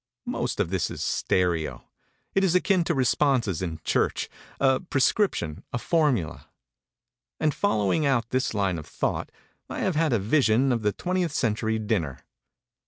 Most of this is stereo. It is akin to responses in church, a prescription, a formula. And, following out this line of thought, I have had a vision of the twentieth century dinner.